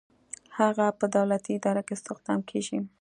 هغه په دولتي اداره کې استخدام کیږي.